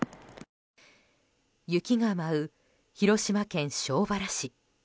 雪が舞う広島県庄原市。